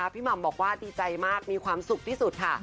หม่ำบอกว่าดีใจมากมีความสุขที่สุดค่ะ